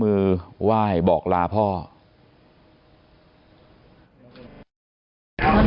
ลูกชายวัย๑๘ขวบบวชหน้าไฟให้กับพุ่งชนจนเสียชีวิตแล้วนะครับ